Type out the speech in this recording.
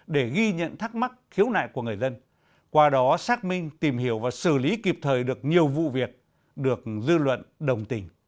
để ghi nhận thắc mắc khiếu nại của người dân